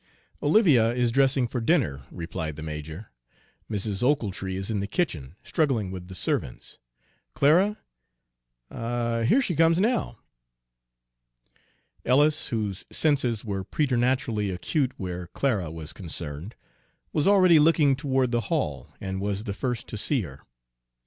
"Olivia is dressing for dinner," replied the major; "Mrs. Ochiltree is in the kitchen, struggling with the servants. Clara Ah, here she comes now!" Ellis, whose senses were preternaturally acute where Clara was concerned, was already looking toward the hall and was the first to see her.